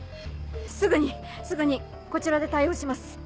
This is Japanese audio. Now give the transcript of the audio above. すぐにすぐにこちらで対応します。